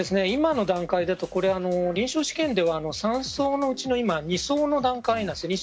今の段階だと、臨床試験では３層のうちの２層の段階なんです。